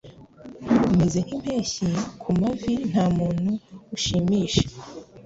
Umeze nka Impeshyi kumavi ntamuntu ushimisha